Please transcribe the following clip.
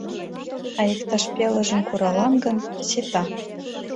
— А иктаж пелыжым куралам гын, сита.